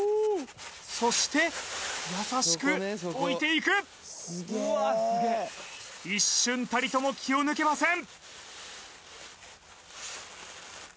そして優しく置いていく一瞬たりとも気を抜けません